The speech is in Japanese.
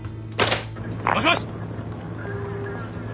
もしもし！